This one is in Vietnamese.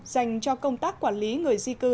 dành cho công tác quản lý người di cư